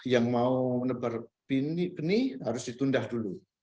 yang mau menepar peni harus ditundah dulu